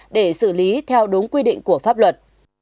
để xử lý theo đúng quy định của pháp luật